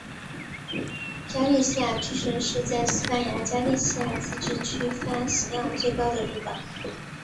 加利西亚之声是在西班牙加利西亚自治区发行量最高的日报。